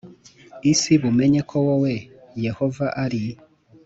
isi bumenye ko wowe Yehova ari